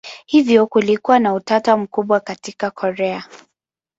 Hivyo kulikuwa na utata mkubwa katika Korea.